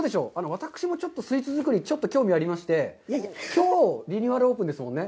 私もちょっとスイーツ作りにちょっと興味がありまして、きょうリニューアルオープンですもんね。